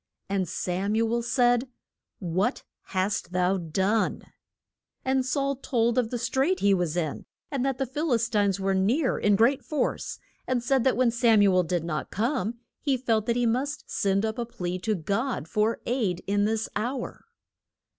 And Sam u el said, What hast thou done? And Saul told of the strait he was in, and that the Phil is tines were near in great force, and said that when Sam u el did not come he felt that he must send up a plea to God for aid in this hour.